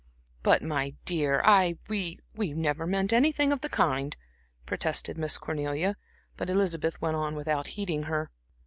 "But, my dear, I we never meant anything of the kind," protested Miss Cornelia. But Elizabeth went on without heeding her.